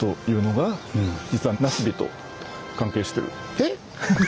えっ？